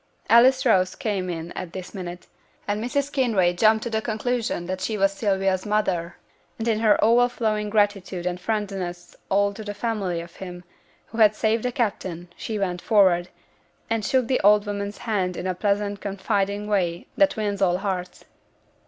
Alice Rose came in at this minute, and Mrs. Kinraid jumped to the conclusion that she was Sylvia's mother, and in her overflowing gratitude and friendliness to all the family of him who had 'saved the captain' she went forward, and shook the old woman's hand in that pleasant confiding way that wins all hearts.